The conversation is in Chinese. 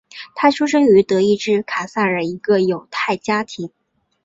他出生于德意志卡塞尔一个犹太家庭。